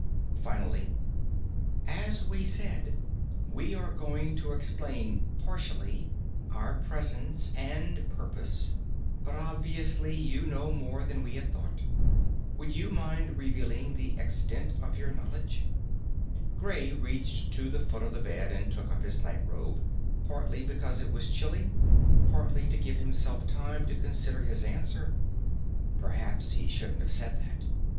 Finally: _As we said, we were going to explain partially our presence and purpose, but obviously you know more than we had thought. Would you mind revealing the extent of your knowledge?_ Gray reached to the foot of the bed and took up his night robe; partly because it was chilly, partly to give himself time to consider his answer. Perhaps he shouldn't have said that.